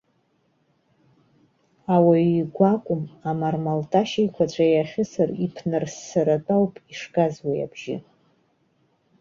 Ауаҩы игәы акәым, амармалташь еиқәаҵәа иахьысыр иԥнарссаратәы ауп ишгаз уи абжьы.